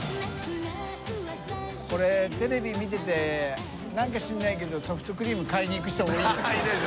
これテレビ見てて何かしらないけどソフトクリーム買いに行く人多いよな。